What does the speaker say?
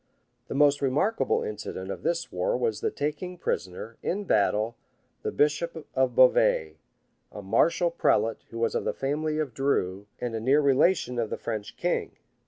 The most remarkable incident of this war was the taking prisoner, in battle, the bishop of Beauvais, a martial prelate who was of the family of Dreux, and a near relation of the French king.